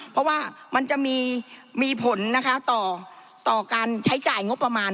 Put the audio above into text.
เพราะว่ามันจะมีผลนะคะต่อการใช้จ่ายงบประมาณ